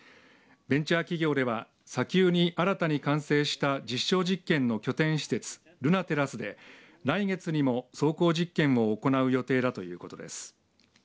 ベンチャー企業では砂丘に新たに完成した実証実験の拠点施設ルナテラスで来月にも走行実験を行う予定だということです。